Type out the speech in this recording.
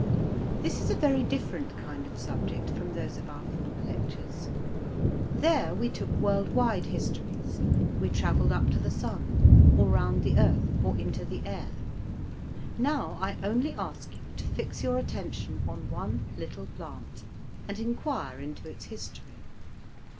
This is a very different kind of subject from those of our former lectures. There we took world wide histories; we travelled up to the sun, or round the earth, or into the air; now I only ask you to fix your attention on one little plant, and inquire into its history.